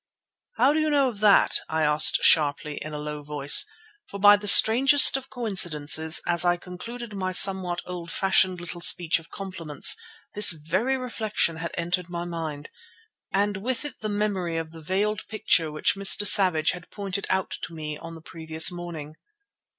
"How did you know that?" I asked sharply in a low voice. For by the strangest of coincidences, as I concluded my somewhat old fashioned little speech of compliments, this very reflection had entered my mind, and with it the memory of the veiled picture which Mr. Savage had pointed out to me on the previous morning.